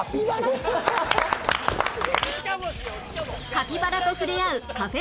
カピバラと触れ合うカフェ